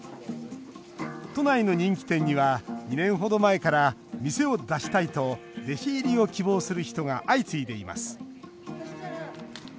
都内の人気店には２年程前から店を出したいと弟子入りを希望する人が相次いでいます。